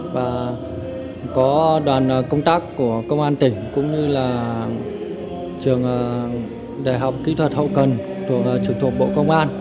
và có đoàn công tác của công an tỉnh cũng như là trường đại học kỹ thuật hậu cần trực thuộc bộ công an